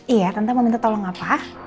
iya tante mau minta tolong apa